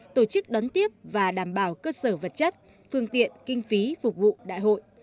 tổ chức đón tiếp và đảm bảo cơ sở vật chất phương tiện kinh phí phục vụ đại hội